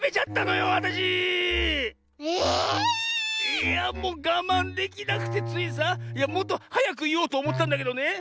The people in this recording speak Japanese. ⁉いやもうがまんできなくてついさいやもっとはやくいおうとおもってたんだけどね。